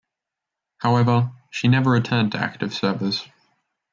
However, she never returned to active service.